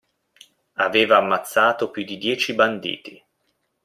Aveva ammazzato più di dieci banditi.